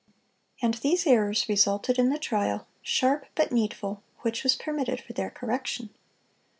And these errors resulted in the trial—sharp but needful—which was permitted for their correction.